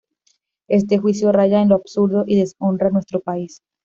Este juicio raya en lo absurdo y deshonra a nuestro país.